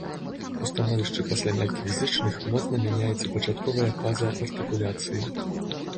У становішчы пасля мяккіх зычных моцна мяняецца пачатковая фаза артыкуляцыі.